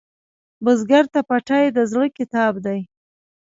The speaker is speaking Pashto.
بزګر ته پټی د زړۀ کتاب دی